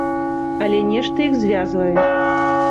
Але нешта іх звязвае.